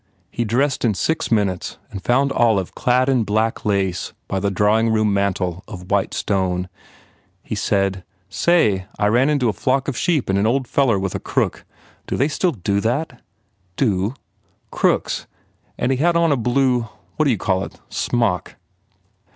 He dressed in six minutes and found Olive clad in black lace by the drawing room mantel of white stone. He said, "Say, I ran into a flock of sheep an an old feller with a crook. Do they still do that? 1 3 8 HE PROGRESSES "Do?" "Crooks. And he had on a blue what d you call It? smock